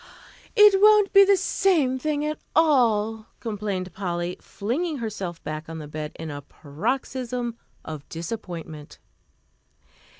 "It won't be the same thing at all," complained Polly, flinging herself back on the bed in a paroxysm of disappointment.